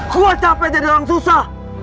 kuat capek jadi orang susah